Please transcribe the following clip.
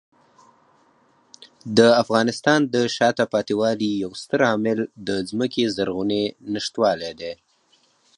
د افغانستان د شاته پاتې والي یو ستر عامل د ځمکې زرغونې نشتوالی دی.